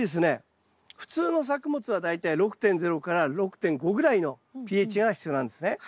普通の作物は大体６．０６．５ぐらいのｐＨが必要なんですね。